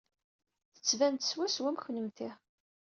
Tettban-d swaswa am kennemti.